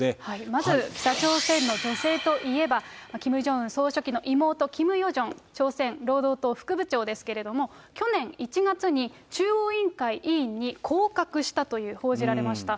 まず北朝鮮の女性といえば、キム・ジョンウン総書記の妹、キム・ヨジョン朝鮮労働党副部長ですけれども、去年１月に中央委員会委員に降格したという、報じられました。